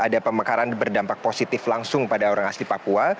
ada pemekaran berdampak positif langsung pada orang asli papua